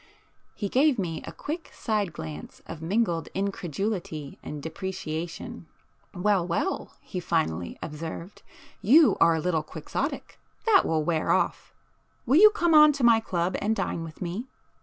He gave me a quick side glance of mingled incredulity and depreciation. "Well, well!" he finally observed—"you are a little quixotic. That will wear off. Will you come on to my club and dine with me?"